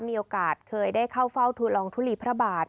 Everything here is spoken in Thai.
มีโอกาสเคยได้เข้าเฝ้าทุลองทุลีพระบาท